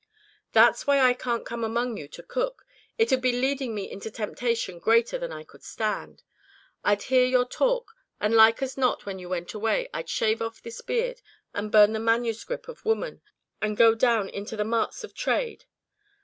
"That's why I can't come among you to cook. It'd be leading me into temptation greater than I could stand. I'd hear your talk, and like as not when you went away I'd shave off this beard, and burn the manuscript of Woman, and go down into the marts of trade.